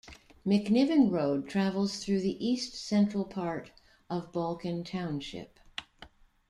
McNiven Road travels through the east-central part of Balkan Township.